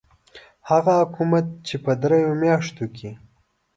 هغه حکومت چې په دریو میاشتو کې.